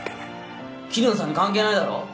桐野さんに関係ないだろ。